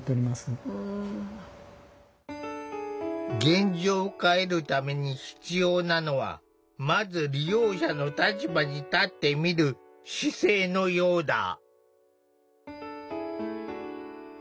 現状を変えるために必要なのはまず利用者の立場に立ってみる姿勢のようだ。